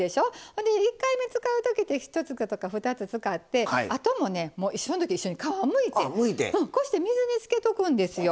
ほんで１回目使う時って１つとか２つ使ってあともねその時一緒に皮むいてこうして水につけとくんですよ。